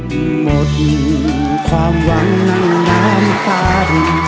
หมดความหวังนั่งน้ำปัน